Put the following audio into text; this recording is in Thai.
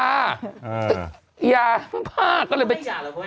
ไอ้ยาเลยเหมือนพากร